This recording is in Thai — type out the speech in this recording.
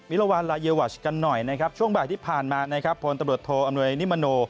วันลาเยวัชกันหน่อยนะครับช่วงบ่ายที่ผ่านมานะครับพลตำรวจโทอำนวยนิมโน